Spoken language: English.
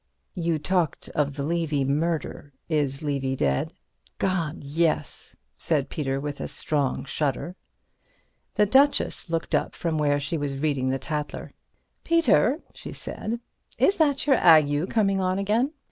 "You talked of the Levy murder. Is Levy dead?" "God—yes!" said Peter, with a strong shudder. The Duchess looked up from where she was reading the Tatler. "Peter," she said, "is that your ague coming on again?